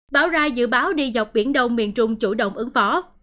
bão ra dự báo đi dọc biển đông miền trung chủ động ứng phó